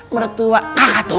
mertua kakak tua